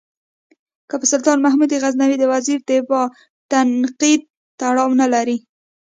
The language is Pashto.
که په سلطان محمود غزنوي د وزیر دفاع تنقید تړاو نه لري.